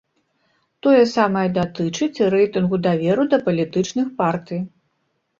Тое самае датычыць і рэйтынгу даверу да палітычных партый.